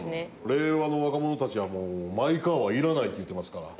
令和の若者たちはもうマイカーはいらないって言ってますから。